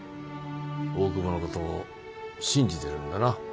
大久保のことを信じてるんだな。